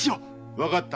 わかった。